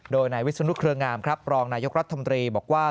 โดยในวิสุนุขเครืองามครับปรองนายกรัฐธรรมดีบอกว่า